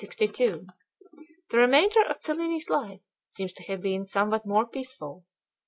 The remainder of Cellini's life seems to have been somewhat more peaceful.